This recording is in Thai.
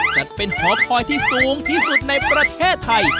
จัดเป็นหอคอยที่สูงที่สุดในประเทศไทย